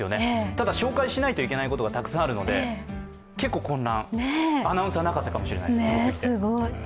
ただ、紹介しないといけないことがたくさんあるので、結構混乱、アナウンサー泣かせかもしれないです。